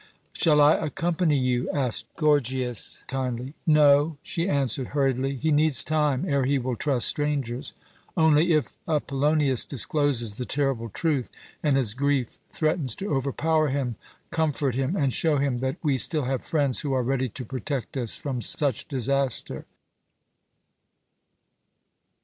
"Shall I accompany you?" asked Gorgias kindly. "No," she answered hurriedly. "He needs time ere he will trust strangers. Only, if Apollonius discloses the terrible truth, and his grief threatens to overpower him, comfort him, and show him that we still have friends who are ready to protect us from such disaster."